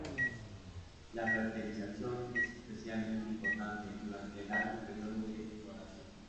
La fertilización es especialmente importante durante el largo periodo de floración.